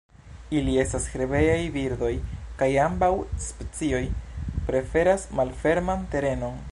Ili estas herbejaj birdoj kaj ambaŭ specioj preferas malferman terenon.